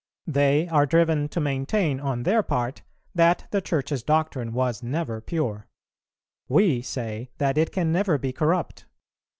They are driven to maintain, on their part, that the Church's doctrine was never pure; we say that it can never be corrupt.